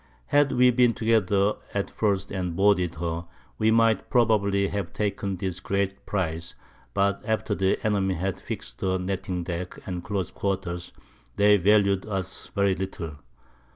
Had we been together at first and boarded her, we might probably have taken this great Prize; but after the Enemy had fixed her Netting deck and close Quarters, they valued us very little.